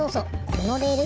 このレール